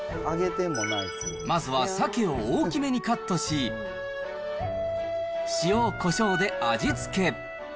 まずはサケを大きめにカットし、塩こしょうで味付け。